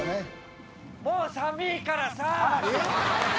もう寒いからさ！